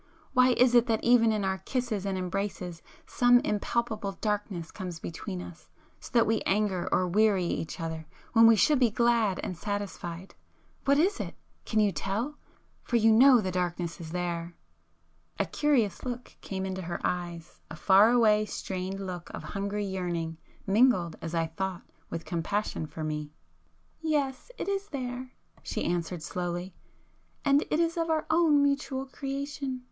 —why is it that even in our kisses and embraces, some impalpable darkness comes between us, so that we anger or weary each other when we should be glad and satisfied? What is it? Can you tell? For you know the darkness is there!" A curious look came into her eyes,—a far away strained look of hungry yearning, mingled, as I thought, with compassion for me. "Yes, it is there!" she answered slowly—"And it is of our own mutual creation.